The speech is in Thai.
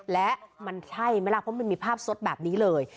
และมันใช่ไหมล่ะเพราะมันมีภาพสดแบบนี้เลย